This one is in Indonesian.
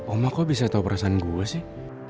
oma kok bisa tahu perasaan gue sih